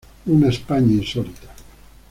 Una España insólita".